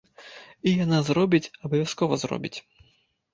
І яна зробіць, абавязкова зробіць.